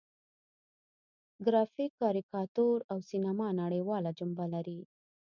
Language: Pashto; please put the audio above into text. ګرافیک، کاریکاتور او سینما نړیواله جنبه لري.